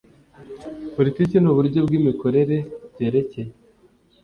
Politiki n uburyo bw imikorere byerekeye